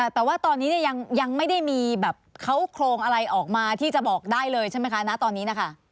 แต่ว่าตอนนี้ยังไม่ได้มีแบบเขาโครงอะไรออกมาที่จะบอกได้เลยใช่ไหมคะณตอนนี้นะคะ